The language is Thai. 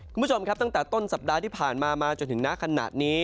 คุณผู้ชมครับตั้งแต่ต้นสัปดาห์ที่ผ่านมามาจนถึงหน้าขณะนี้